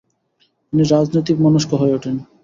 তিনি রাজনৈতিক মনস্ক হয়ে ওঠেন।